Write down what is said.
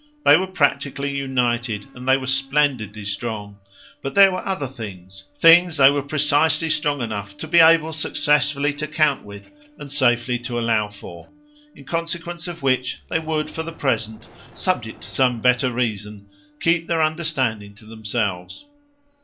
They were practically united and splendidly strong; but there were other things things they were precisely strong enough to be able successfully to count with and safely to allow for; in consequence of which they would for the present, subject to some better reason, keep their understanding to themselves.